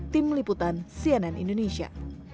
tim liputan cnn indonesia